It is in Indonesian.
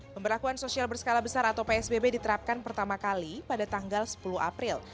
pemberlakuan sosial berskala besar atau psbb diterapkan pertama kali pada tanggal sepuluh april